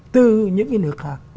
từ những nước khác